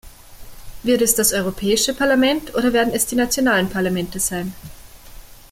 Wird es das Europäische Parlament oder werden es die nationalen Parlamente sein?